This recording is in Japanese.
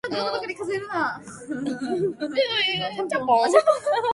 悲しいことがあったとしても、今は前を向いて歩かなければならない。